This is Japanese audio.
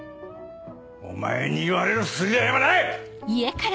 お前に言われる筋合いはない！